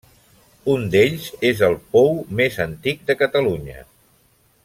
Un d'ells és el pou més antic de Catalunya.